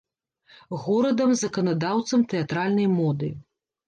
Горадам заканадаўцам тэатральнай моды.